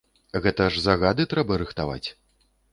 Гэта ж загады трэба рыхтаваць.